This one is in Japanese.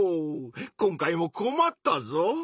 今回もこまったぞ！